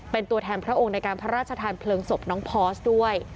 เป็นตัวแทนพระองค์ในการพระราชทานเพลิงศพน้องพอสด้วย